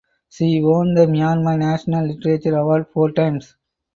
She won the Myanmar National Literature Award four times.